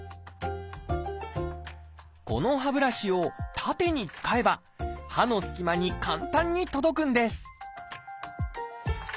この歯ブラシを縦に使えば歯のすき間に簡単に届くんです